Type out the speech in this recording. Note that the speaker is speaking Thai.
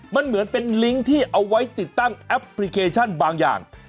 มันเหมือนเป็นลิงก์ที่เอาไว้ติดตั้งแอปพลิเคชันบางอย่าง